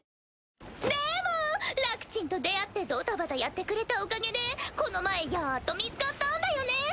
でもラックちんと出会ってドタバタやってくれたおかげでこの前やっと見つかったんだよね。